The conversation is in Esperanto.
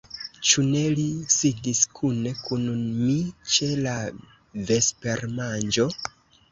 Ĉu ne li sidis kune kun mi ĉe la vespermanĝo?